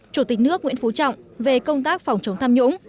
chủ tịch nước nguyễn phú trọng về công tác phòng chống tham nhũng